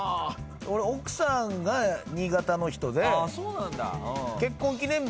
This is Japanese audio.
俺奥さんが新潟の人で。